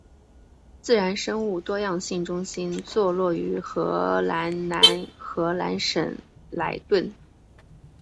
自然生物多样性中心座落于荷兰南荷兰省莱顿。